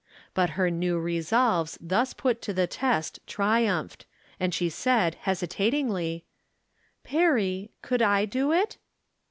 But her new resolves thus put to the test triumphed, and she said, hesitatingly :" Perry, could I do it